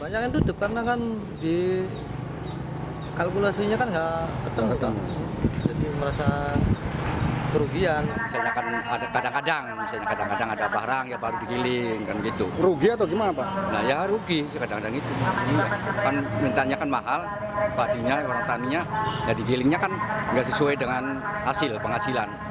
jadi gilingnya kan tidak sesuai dengan hasil penghasilan